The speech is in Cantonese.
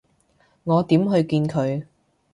我點去見佢？